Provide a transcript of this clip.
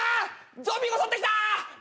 ゾンビが襲ってきた！